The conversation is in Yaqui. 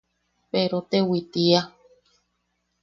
Perotewi tiia.